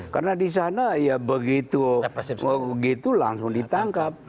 karena di sana ya begitu langsung ditangkap